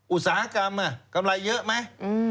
อุตสาหกรรมกำไรเยอะไหม